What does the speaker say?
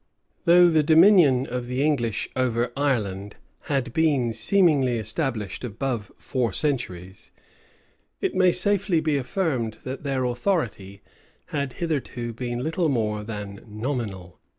{1599.} Though the dominion of the English over Ireland had been seemingly established above four centuries, it may safely be affirmed, that their authority had hitherto been little more than nominal.